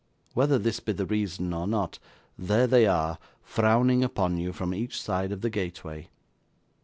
Whether this be the reason or not, there they are, frowning upon you from each side of the gateway.